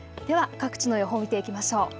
では各地の予報、見ていきましょう。